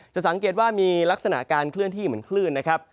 จะสังเกตว่ามีลักษณะการเคลื่อนที่เหมือนคลื่นนะครับ